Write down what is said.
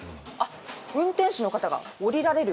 運転士の方が降りられる。